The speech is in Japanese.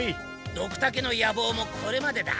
ドクタケの野望もこれまでだ。